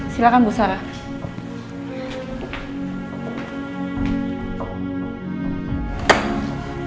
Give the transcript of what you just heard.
silahkan bu sarah